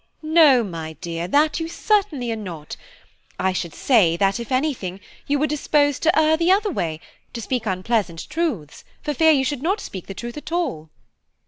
"No, my dear, that you certainly are not; I should say that, if anything, you were disposed to err the other way, to speak unpleasant truths, for fear you should not speak the truth at all."